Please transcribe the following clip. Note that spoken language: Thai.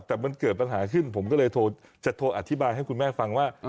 แต่มันเกิดปัญหาขึ้นผมก็เลยจะโทรอธิบายให้คุณแม่ฟังว่า